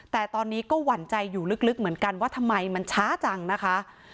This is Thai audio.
แต่ตอนนี้ก็หวั่นใจอยู่ลึกเหมือนกันว่าทำไมมันช้าจังนะคะ